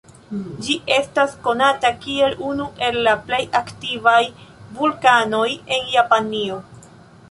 Ĝi estas konata kiel unu el la plej aktivaj vulkanoj en Japanio.